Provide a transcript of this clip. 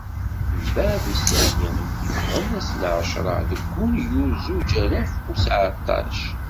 Mbeɛd isalli i d-yeffɣen ass n εecra deg yunyu zuǧ alaf u seεṭac.